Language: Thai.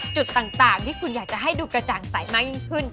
จุดต่างที่คุณอยากจะให้ดูกระจ่างใสมากยิ่งขึ้น